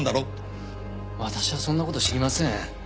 私はそんな事知りません。